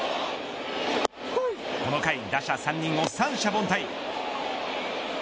この回打者３人を三者凡退。